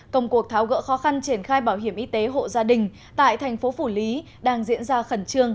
công cuộc tháo gỡ khó khăn triển khai bảo hiểm y tế hộ gia đình tại thành phố phủ lý đang diễn ra khẩn trương